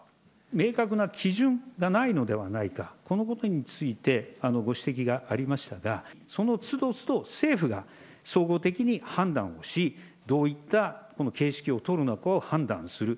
明確な基準がないのではないか、このことについてご指摘がありましたが、そのつどつど政府が総合的に判断をし、どういった形式を取るのかを判断する。